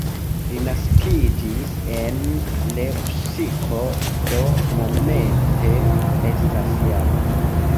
Li naskiĝis en Lepsiko, do momente estas -jara.